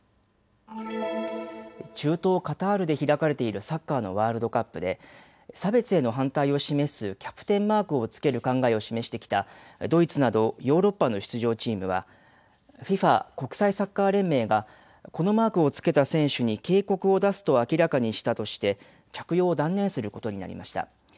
中東カタールで開かれているサッカーのワールドカップで、差別への反対を示すキャプテンマークをつける考えを示してきたドイツなどヨーロッパの出場チームはＦＩＦＡ・国際サッカー連盟がこのマークをつけた選手に警告を出すと明らかにしたとして着用を断念することになりました。